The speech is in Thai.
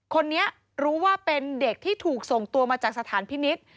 คนนี้รู้ว่าเป็นเด็กที่ถูกส่งตัวมาจากสถานพินิษฐ์